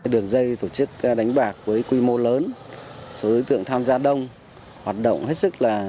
đường dây tổ chức đánh bạc với quy mô lớn số đối tượng tham gia đông hoạt động hết sức là